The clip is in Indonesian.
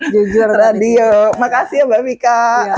jujur terima kasih mbak vika